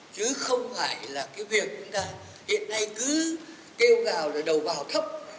chứ không phải là cái việc chúng ta hiện nay cứ kêu gào là đầu vào thấp